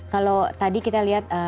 kalau tadi kita lihat